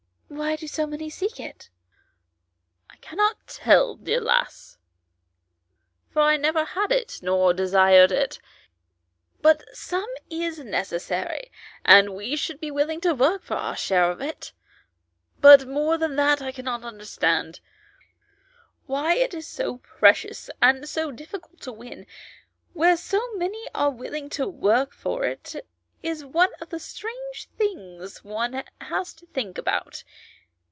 " Why do so many seek it ?" v.] FROM OUTSIDE THE WORLD. 71 " I cannot tell, dear lassie, for I never had it, or desired it ; but some is necessary, and all should be willing to work for their share of it, but more than this I cannot understand. Why it is so precious and so difficult to win, where so many are willing to work for it, is one of the strange things one has to think about.